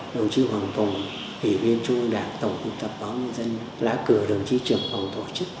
đồng chí hoàng tùng ủy viên trung đảng tổng thống tập báo dân lá cửa đồng chí trường phòng tổ chức